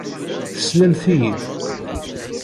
Teslamt-iyi-d.